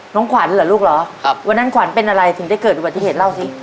ขวัญเหรอลูกเหรอครับวันนั้นขวัญเป็นอะไรถึงได้เกิดอุบัติเหตุเล่าสิ